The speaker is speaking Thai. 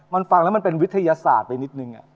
มันฟังแล้วมันเป็นวิทยาศาสตร์ไปนิดนึง